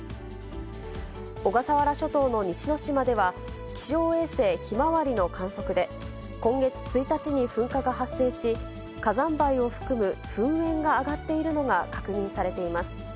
小笠原諸島の西之島では、気象衛星ひまわりの観測で、今月１日に噴火が発生し、火山灰を含む噴煙が上がっているのが確認されています。